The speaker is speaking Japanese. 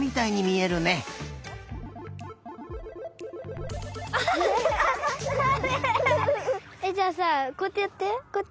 えっじゃあさこうやってやって。